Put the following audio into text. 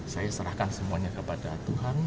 saya serahkan semuanya kepada tuhan